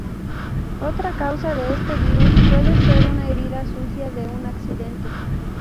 Otra causa de este virus puede ser una herida sucia de un accidente.